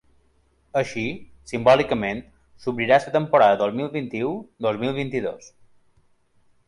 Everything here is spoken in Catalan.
Així, simbòlicament, s’obrirà la temporada dos mil vint-i-u-dos mil vint-i-dos.